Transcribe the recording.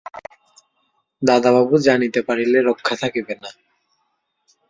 দাদাবাবু জানিতে পারিলে রক্ষা থাকিবে না।